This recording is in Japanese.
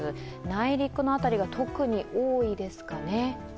内陸の辺りが特に多いですかね。